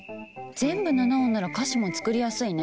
全部７音なら歌詞も作りやすいね。